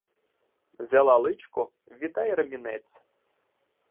Взяла личко — віддай ремінець!